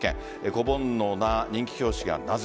子煩悩な人気教師がなぜ。